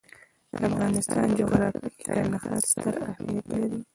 د افغانستان جغرافیه کې کندهار ستر اهمیت لري.